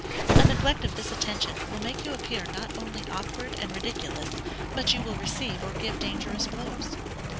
A neglect of this attention, will make you appear not only awkward and ridiculous, but you will receive or give dangerous blows.